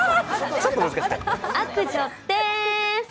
悪女でーす。